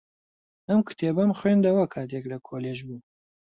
ئەم کتێبەم خوێندەوە کاتێک لە کۆلێژ بووم.